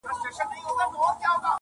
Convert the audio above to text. پر سلطان باندي دعاوي اورېدلي،